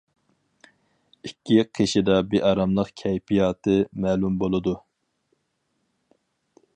ئىككى قېشىدا بىئاراملىق كەيپىياتى مەلۇم بولىدۇ.